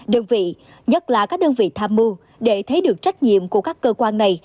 đơn vị nhất là các đơn vị tham mưu để thấy được trách nhiệm của các cơ quan này